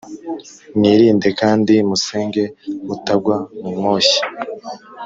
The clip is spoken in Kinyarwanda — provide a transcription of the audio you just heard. Mwirinde kandi musenge mutagwa mu moshya